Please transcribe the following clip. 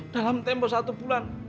dalam tempoh satu bulan